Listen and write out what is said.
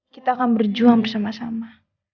kita akan berjuang bersama sama